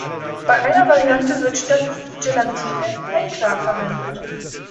Bei einer Variante wird statt Gelatine Eiklar verwendet.